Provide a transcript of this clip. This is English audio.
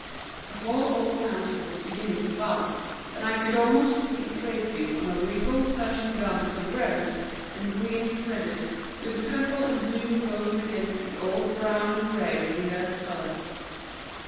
The whole old mountain was beginning to bud and I could almost see it draping on a regal Persian garment of rose and green threaded with purple and blue woven against the old brown and gray of the earth color.